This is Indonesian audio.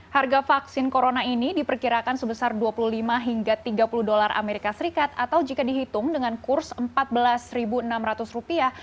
harga vaksin corona ini diperkirakan sebesar dua puluh lima hingga tiga puluh dolar amerika serikat atau jika dihitung dengan kurs empat belas enam ratus rupiah